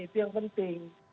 itu yang penting